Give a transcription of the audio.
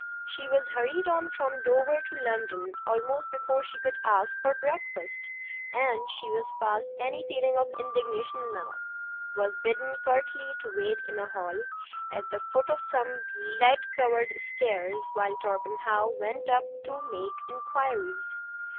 She was hurried on from Dover to London almost before she could ask for breakfast, and—she was past any feeling of indignation now—was bidden curtly to wait in a hall at the foot of some lead covered stairs while Torpenhow went up to make inquiries.